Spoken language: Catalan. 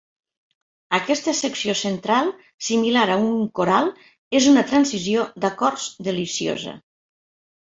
Aquesta secció central similar a un coral és una transició d'acords deliciosa.